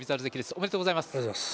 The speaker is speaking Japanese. おめでとうございます。